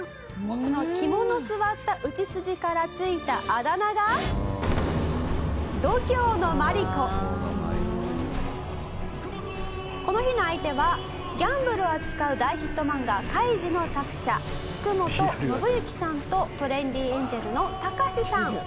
「その肝の据わった打ち筋から「この日の相手はギャンブルを扱う大ヒット漫画『カイジ』の作者福本伸行さんとトレンディエンジェルのたかしさん」